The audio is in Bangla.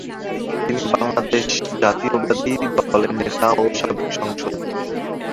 তিনি বাংলাদেশ জাতীয়তাবাদী দলের নেতা ও সাবেক সাংসদ।